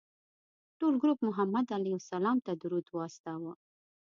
ټول ګروپ محمد علیه السلام ته درود واستوه.